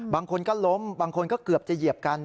บางคนก็ล้มบางคนก็เกือบจะเหยียบกัน